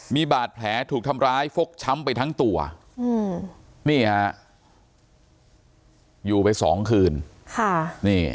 มีบาดแผลถูกทำร้ายฟกช้ำไปทั้งตัวอยู่ไปสองคืน